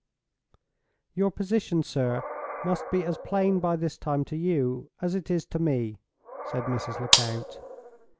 "Your position, sir, must be as plain by this time to you as it is to me," said Mrs. Lecount.